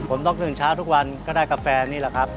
ผมต้องตื่นเช้าทุกวันก็ได้กาแฟนี่แหละครับ